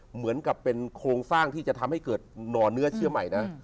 เหมือนกับเป็นโครงสร้างที่จะทำให้เกิดนอนเนื้อเชื่อใหม่นะ